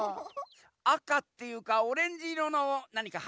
あかっていうかオレンジいろのなにかはいってない？